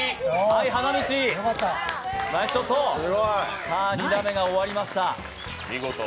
花道、ナイスショット２打目が終わりました。